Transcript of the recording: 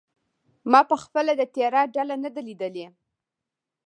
ما پخپله د تیراه ډله نه ده لیدلې.